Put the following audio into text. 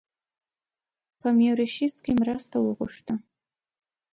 په میوریشیس کې مرسته وغوښته.